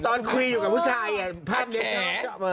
ตอนคุยอยู่กับผู้ชายภาพเด็กชอบ